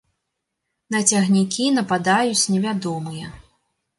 На цягнікі нападаюць невядомыя.